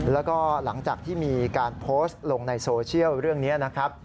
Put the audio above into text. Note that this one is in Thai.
แล้วก็หลังจากที่มีการโพสต์ลงในโซเชียลเรื่องนี้นะครับ